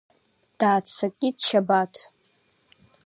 Дааццакит Шьабаҭ.